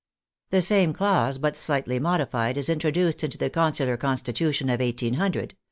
The same clause, but slightly modified, is introduced into the Consular Constitution of 1800 (VIII.)